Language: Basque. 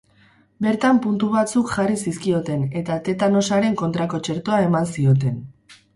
Bertan puntu batzuk jarri zizkioten eta tetanosaren kontrako txertoa eman zioten.